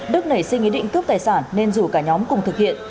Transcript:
đức nảy sinh ý định cướp tài sản nên rủ cả nhóm cùng thực hiện